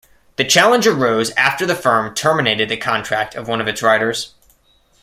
The challenge arose after the firm terminated the contract of one of its riders.